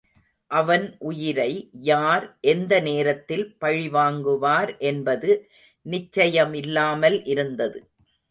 அவன் உயிரை யார் எந்த நேரத்தில் பழிவாங்குவார் என்பது நிச்சயமில்லாமல் இருந்தது.